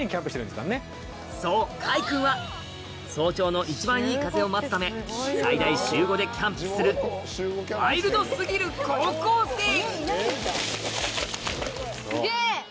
そう開君は早朝の一番いい風を待つため最大週５でキャンプするワイルド過ぎる高校生すげぇ！